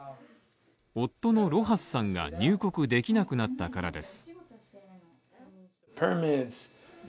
夫のロハスさんが入国できなくなったからです